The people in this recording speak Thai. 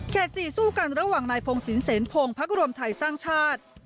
เขตสี่สู้กันระหว่างนายพงศรีเสนภงพรรครวมไทยสร้างชาติ